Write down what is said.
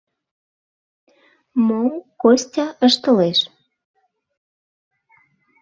Мом Костя ыштылеш?